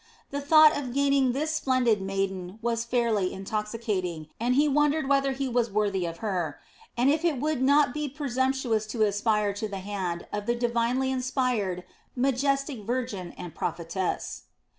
The thought of gaining this splendid maiden was fairly intoxicating, and he wondered whether he was worthy of her, and if it would not be presumptuous to aspire to the hand of the divinely inspired, majestic virgin and prophetess.